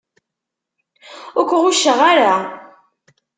Ur k-ɣucceɣ ara.